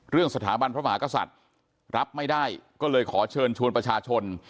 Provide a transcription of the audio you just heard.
สถาบันพระมหากษัตริย์รับไม่ได้ก็เลยขอเชิญชวนประชาชน